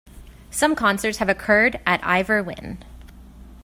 Some concerts have occurred at Ivor Wynne.